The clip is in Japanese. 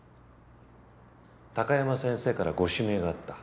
高山先生からご指名があった。